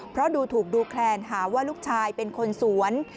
เพราะดูถูกดูแคลนหาว่าลูกชายเป็นคนสวน